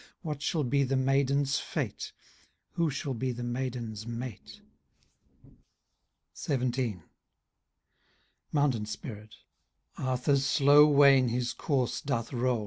What shall be the maiden's fete? Who shall be the maiden's mate ?"— XVII. MOUNTAIN SPIRIT. «* Arthur's slow wain his course doth roll.